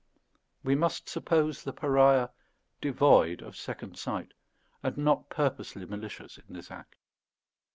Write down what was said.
We must suppose the pariah devoid of second sight, and not purposely malicious in this act.